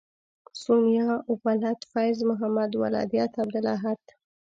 سونیا ولد فیض محمد ولدیت عبدالاحد